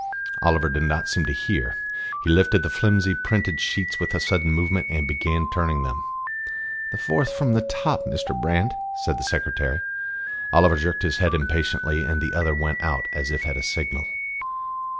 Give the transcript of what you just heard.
Oliver did not seem to hear; he lifted the flimsy printed sheets with a sudden movement, and began turning them. "The fourth from the top, Mr. Brand," said the secretary. Oliver jerked his head impatiently, and the other went out as if at a signal.